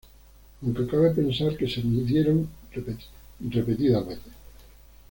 Aunque cabe pensar que se midieron repetidas veces.